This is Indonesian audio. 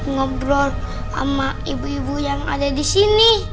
ngobrol sama ibu ibu yang ada di sini